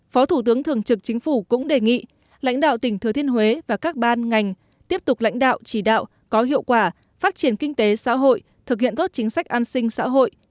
phó thủ tướng thường trực chính phủ cũng đề nghị lãnh đạo tỉnh thừa thiên huế và các ban ngành tiếp tục lãnh đạo chỉ đạo có hiệu quả phát triển kinh tế xã hội thực hiện tốt chính sách an sinh xã hội